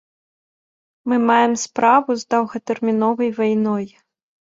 Мы маем справу з доўгатэрміновай вайной.